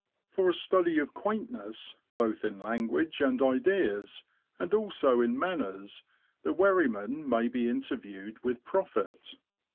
For a study of quaintness, both in language and ideas, and also in manners, the wherryman may be interviewed with profit.